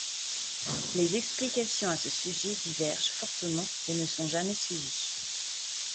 Les explications à ce sujet divergent fortement et ne sont jamais suivies.